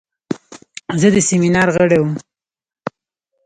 زه د سیمینار غړی وم.